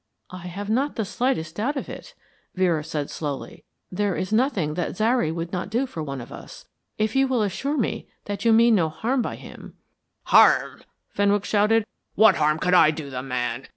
"I have not the slightest doubt of it," Vera said slowly. "There is nothing that Zary would not do for one of us, if you will assure me that you mean no harm by him " "Harm?" Fenwick shouted. "What harm could I do the man?